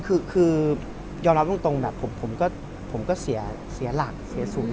คืนคือยอมรับจริงผมก็เสียหลักเสียศูนย์